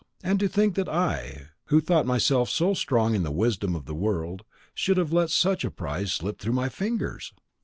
And to think that I, who thought myself so strong in the wisdom of the world, should have let such a prize slip through my fingers?